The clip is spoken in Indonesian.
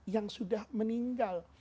yang sudah meninggal